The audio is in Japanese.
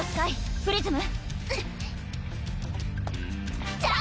プリズム！